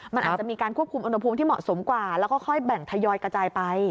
มันอาจจะมีการควบคุมอุณหภูมิที่เหมาะสมกว่าแล้วก็ค่อยแบ่งทยอยกระจายไป